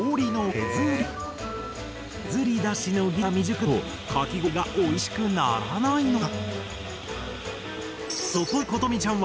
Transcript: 削り出しの技術が未熟だとかき氷がおいしくならないのだ。